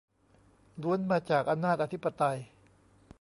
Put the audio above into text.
ล้วนมาจากอำนาจอธิปไตย